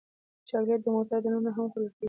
چاکلېټ د موټر دننه هم خوړل کېږي.